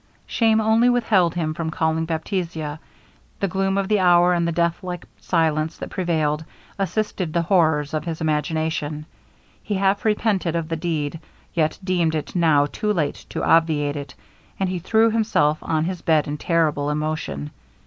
Shame only withheld him from calling Baptista. The gloom of the hour, and the death like silence that prevailed, assisted the horrors of his imagination. He half repented of the deed, yet deemed it now too late to obviate it; and he threw himself on his bed in terrible emotion.